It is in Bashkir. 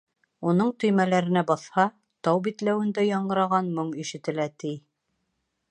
Уның төймәләренә баҫһа, тау битләүендә яңғыраған моң ишетелә, ти.